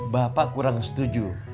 bapak kurang setuju